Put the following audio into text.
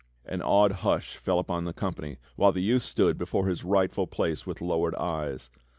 An awed hush fell upon the company, while the youth stood before his rightful place with lowered eyes.